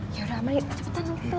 ya udah aman yuk cepet cuy